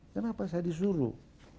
kenapa saya disuruh